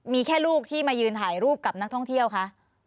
มีแค่ลูกที่มายืนถ่ายรูปกับนักท่องเที่ยวคะ